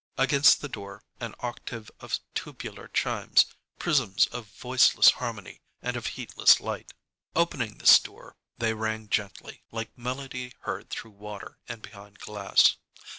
Against the door, an octave of tubular chimes, prisms of voiceless harmony and of heatless light. Opening this door, they rang gently, like melody heard through water and behind glass.